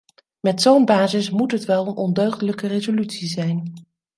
Met zo'n basis moet het wel een ondeugdelijke resolutie zijn.